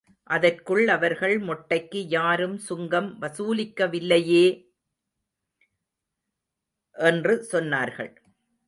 அதற்கு அவர்கள் மொட்டைக்கு யாரும் சுங்கம் வசூலிக்கவில்லையே? என்று சொன்னார்கள்.